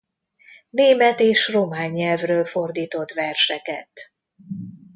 Német és román nyelvről fordított verseket.